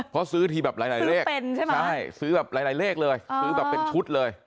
เพราะซื้อทีแบบหลายเลขใช่ซื้อแบบหลายเลขเลยซื้อแบบเป็นชุดเลย